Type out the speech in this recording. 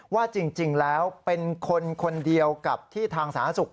ว่าจริงแล้วเป็นคนคนเดียวกับที่ทางสาธารณสุข